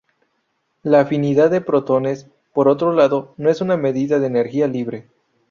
La afinidad de protones, por otro lado, no es una medida de energía libre.